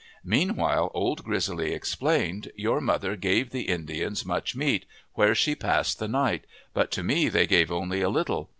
Meanwhile Old Grizzly explained :" Your mother gave the Indians much meat, where she passed the night ; but to me they gave only a little.